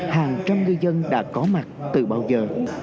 hàng trăm ngư dân đã có mặt từ bao giờ